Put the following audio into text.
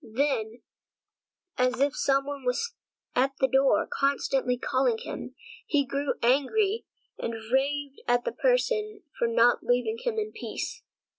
Then, as if some one was standing at the door constantly calling him, he grew angry and raved at the person for not leaving him in peace.